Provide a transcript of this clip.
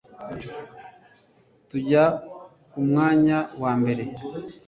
tujya ku mwanya wa mbere